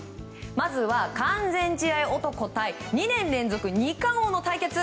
まずは完全試合男と２年連続２冠王の対決。